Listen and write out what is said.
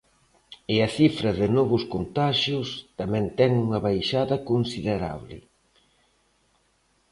E a cifra de novos contaxios tamén ten unha baixada considerable.